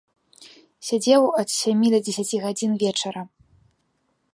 Сядзеў ад сямі да дзесяці гадзін вечара.